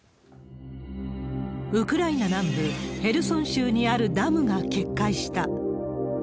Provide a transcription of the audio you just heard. ウクライナ南部ヘルソン州にあるダムが決壊した。